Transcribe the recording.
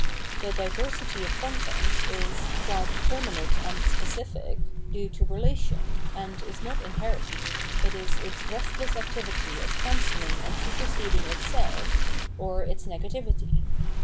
The diversity of content is, qua determinate and specific, due to relation, and is not inherent ; it is its restless activity of cancelling and superseding itself, or its negativity.